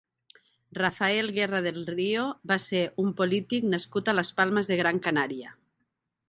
Rafael Guerra del Río va ser un polític nascut a Las Palmas de Gran Canaria.